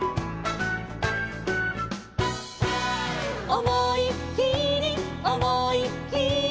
「おもいっきりおもいっきり」